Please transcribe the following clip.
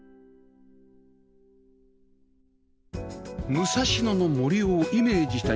武蔵野の森をイメージした庭